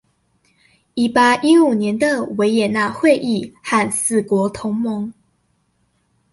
一八一五年的維也納會議和四國同盟